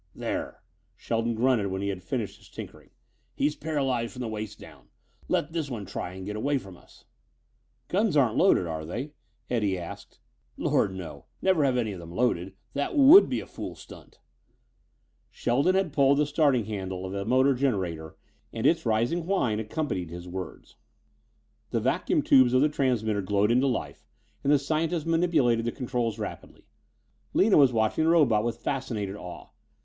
"There," Shelton grunted when he had finished his tinkering, "he's paralyzed from the waist down. Let this one try and get away from us." "Guns aren't loaded, are they?" Eddie asked. "Lord, no! Never have any of them loaded. That would be a fool stunt." Shelton had pulled the starting handle of a motor generator and its rising whine accompanied his words. The vacuum tubes of the transmitter glowed into life and the scientist manipulated the controls rapidly. Lina was watching the robot with fascinated awe.